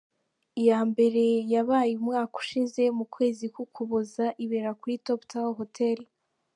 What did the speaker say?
Iya mbere yabaye umwaka ushize mu kwezi k’Ukuboza, ibera kuri Top Tower Hotel.